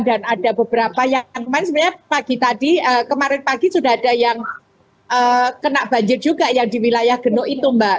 dan ada beberapa yang kemarin sebenarnya pagi tadi kemarin pagi sudah ada yang kena banjir juga yang di wilayah genuk itu mbak